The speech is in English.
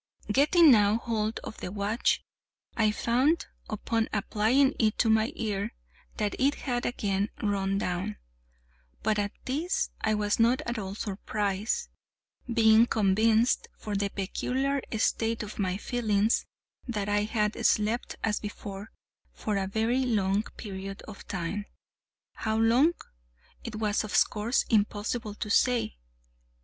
Getting now hold of the watch, I found, upon applying it to my ear, that it had again run down; but at this I was not at all surprised, being convinced, from the peculiar state of my feelings, that I had slept, as before, for a very long period of time, how long, it was of course impossible to say.